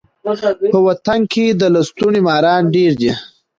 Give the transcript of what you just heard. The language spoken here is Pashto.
په وطن کي د لستوڼي ماران ډیر دي.